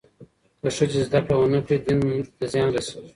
که ښځې زدهکړه ونه کړي، دین ته زیان رسېږي.